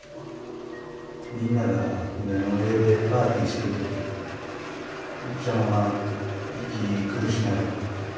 みんなが船の上でパーティーしてる時おっちゃんは息苦しなる。